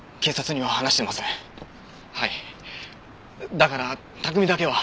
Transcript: だから卓海だけは。